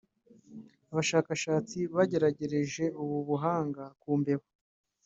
Abashakashatsi bagerageje ubu buhanga ku mbeba